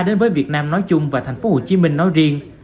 đến với việt nam nói chung và thành phố hồ chí minh nói riêng